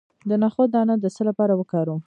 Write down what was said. د نخود دانه د څه لپاره وکاروم؟